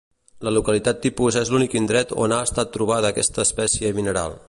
La localitat tipus és l'únic indret on ha estat trobada aquesta espècie mineral.